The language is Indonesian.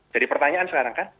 jadi pertanyaan sekarang kan